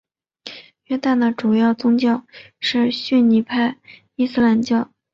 约旦的主要宗教是逊尼派伊斯兰教。